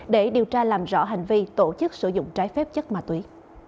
để điều tra làm rõ hành vi tổ chức sử dụng trái phép chất ma túy